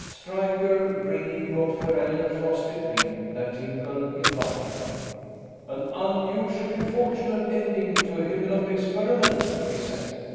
Stryker, grinning, brought Farrell a frosted drink that tinkled invitingly. "An unusually fortunate ending to a Hymenop experiment," he said.